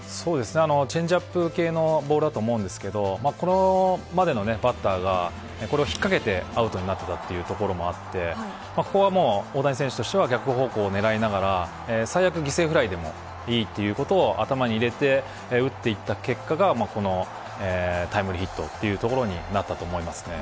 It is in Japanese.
チェンジアップ系のボールだと思うんですがこれまでのバッターがこれを引っかけてアウトになっていたというところもあって大谷選手としては逆方向を狙いながら最悪犠牲フライでもいいということを頭に入れて打っていった結果がこのタイムリーヒットというところになったと思います。